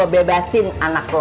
gue bebasin anak lo